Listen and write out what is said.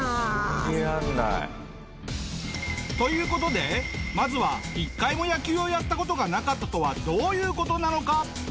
信じられない。という事でまずは一回も野球をやった事がなかったとはどういう事なのか？